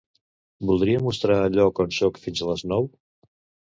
Voldria mostrar el lloc on soc fins a les nou.